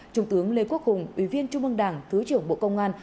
trung tướng lê quốc hùng ủy viên trung ương đảng thứ trưởng bộ công an